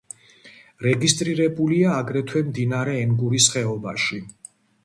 რეგისტრირებულია აგრეთვე მდინარე ენგურის ხეობაში.